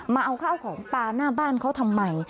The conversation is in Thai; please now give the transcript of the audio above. มาเอาข้าวของปลาหน้าบ้านเขาทำไม